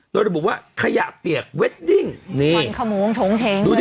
โดยเรียกบอกว่าขยะเปียกเวดดิ้ง